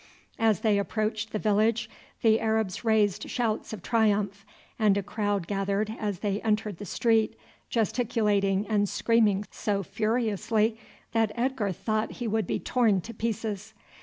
As they approached the village the Arabs raised shouts of triumph, and a crowd gathered as they entered the street, gesticulating and screaming so furiously that Edgar thought he would be torn to pieces.